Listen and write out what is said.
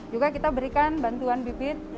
juga kita berikan bantuan bibit